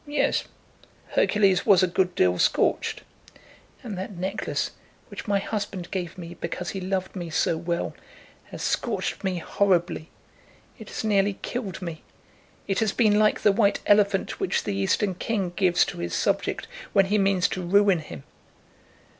Yes; Hercules was a good deal scorched." "And that necklace, which my husband gave me because he loved me so well, has scorched me horribly. It has nearly killed me. It has been like the white elephant which the Eastern king gives to his subject when he means to ruin him.